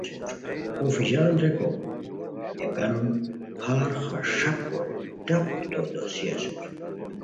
اُف ژان ریکو ہے کانو پھار خݰپ کوری ڈپ تو دوسی اسور